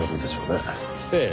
ええ。